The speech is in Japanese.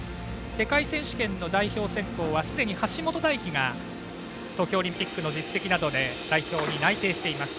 世界選手権の代表選考はすでに橋本大輝が東京オリンピックの実績などで代表に内定しています。